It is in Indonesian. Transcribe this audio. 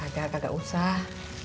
gak gak usah